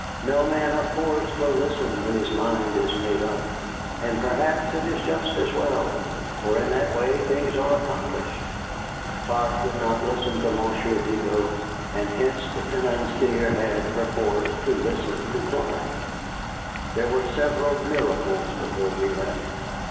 No man of force will listen when his mind is made up, and perhaps it is just as well. For in that way things are accomplished. Clark would not listen to Monsieur Vigo, and hence the financier had, perforce, to listen to Clark. There were several miracles before we left.